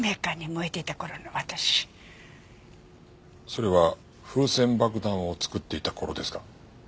それは風船爆弾を作っていた頃ですか？